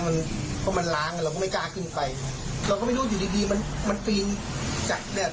มันมันล้างเราก็ไม่กล้าขึ้นไปเราก็ไม่รู้อยู่ดีมันมันปีนจากเนี่ย